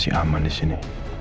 ini aman disini